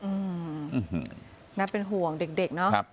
อืมน่าเป็นห่วงเด็กเนอะ